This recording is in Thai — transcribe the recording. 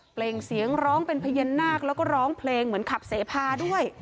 ่งเสียงร้องเป็นพญานาคแล้วก็ร้องเพลงเหมือนขับเสพาด้วย